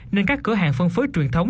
nên các cửa hàng phân phối truyền thống